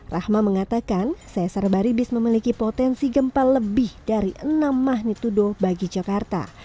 rahma mengatakan sesar baribis memiliki potensi gempa lebih dari enam magnitudo bagi jakarta